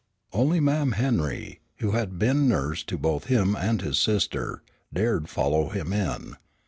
Only Mam' Henry, who had been nurse to both him and his sister, dared follow him in.